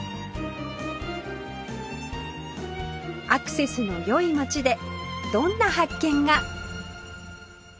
アクセスの良い町でどんな発見が